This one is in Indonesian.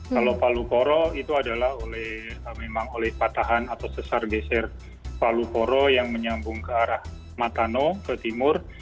kalau palu koro itu adalah memang oleh patahan atau sesar geser palu koro yang menyambung ke arah matano ke timur